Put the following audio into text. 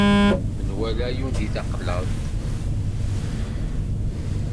Menwala yundi taqlaḍt.